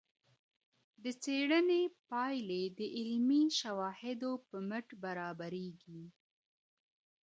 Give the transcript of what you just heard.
د څېړنې پايلې د علمي شواهدو په مټ برابریږي.